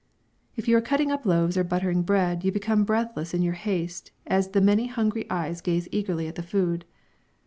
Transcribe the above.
If you are cutting up loaves or buttering bread you become breathless in your haste as the many hungry eyes gaze eagerly at the food.